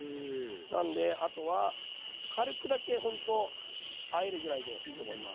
なんであとは軽くだけほんとあえるぐらいでいいと思います。